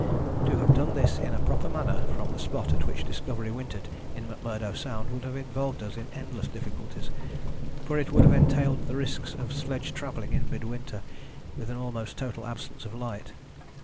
To have done this in a proper manner from the spot at which the Discovery wintered in McMurdo Sound would have involved us in endless difficulties, for it would have entailed the risks of sledge travelling in mid winter with an almost total absence of light.